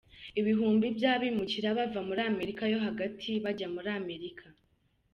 Ibihumbi vy'abimukira bava muri Amerika yo hagati baja muri Amerika.